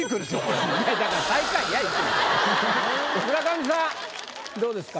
村上さんどうですか？